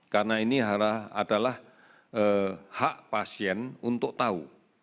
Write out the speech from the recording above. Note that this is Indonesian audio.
karena ini adalah hak pasien untuk tahu